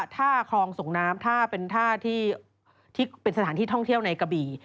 ถ้าคลองส่งน้ำถ้าเป็นสถานที่ท่องเที่ยวในกะบี่